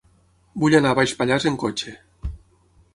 Vull anar a Baix Pallars amb cotxe.